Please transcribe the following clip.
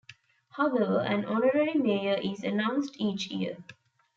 However, an Honorary Mayor is announced each year.